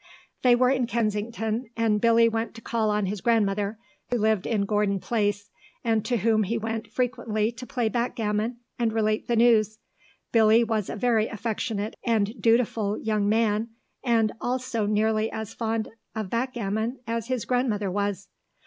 They were in Kensington, and Billy went to call on his grandmother, who lived in Gordon Place, and to whom he went frequently to play backgammon and relate the news. Billy was a very affectionate and dutiful young man, and also nearly as fond of backgammon as his grandmother was.